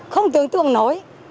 không tưởng tượng nổi